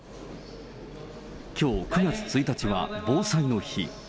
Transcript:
きょう９月１日は防災の日。